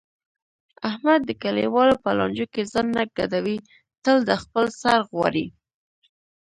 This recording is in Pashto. احمد د کلیوالو په لانجو کې ځان نه ګډوي تل د خپل سر غواړي.